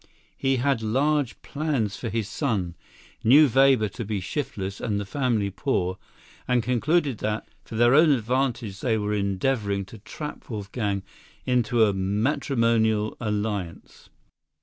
He had large plans for his son, knew Weber to be shiftless and the family poor, and concluded that, for their own advantage, they were endeavoring to trap Wolfgang into a matrimonial alliance.